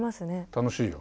楽しいよ。